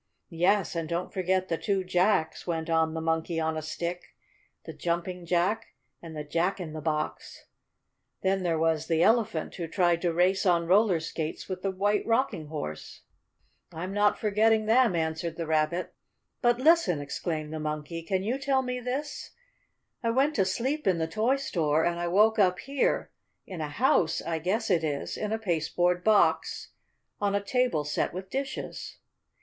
"Yes, and don't forget the two Jacks," went on the Monkey on a Stick, "the Jumping Jack and the Jack in the Box. Then there was the Elephant who tried to race on roller skates with the White Rocking Horse." "I'm not forgetting them," answered the Rabbit. "But listen!" exclaimed the Monkey. "Can you tell me this? I went to sleep in the toy store, and I woke up here in a house, I guess it is in a pasteboard box on a table set with dishes."